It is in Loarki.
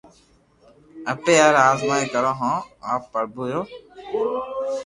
اپي آ اردنا ڪرو ھون او پرڀو جو